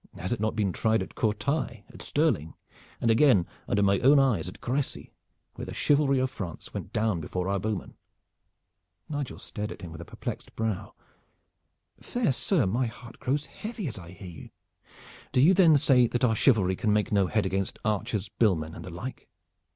Has it not been tried at Courtrai, at Stirling, and again under my own eyes at Crecy, where the chivalry of France went down before our bowmen?" Nigel stared at him, with a perplexed brow. "Fair sir, my heart grows heavy as I hear you. Do you then say that our chivalry can make no head against archers, billmen and the like?"